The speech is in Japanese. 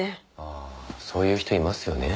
ああそういう人いますよね。